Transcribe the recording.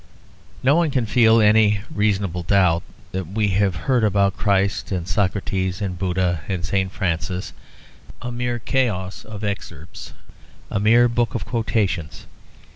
No one can feel any reasonable doubt that we have heard about Christ and Socrates and Buddha and St. Francis a mere chaos of excerpts, a mere book of quotations.